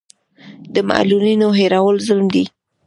د معلولینو هېرول ظلم دی.